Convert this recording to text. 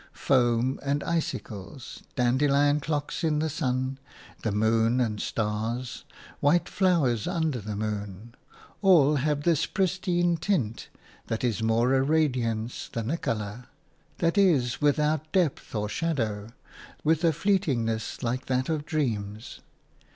Foam and icicles, dandelion clocks in the sun, the moon and stars, white flowers under the moon – all have this pristine tint that is more a radiance than a colour, that is without depth or shadow, with a fleetingness like that of dreams.